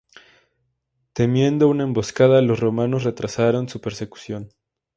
Temiendo una emboscada, los romanos retrasaron su persecución.